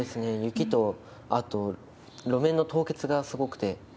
雪と、あと路面の凍結がすごくて。